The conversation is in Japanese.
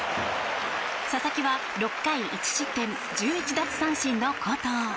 佐々木は６回１失点１１奪三振の好投。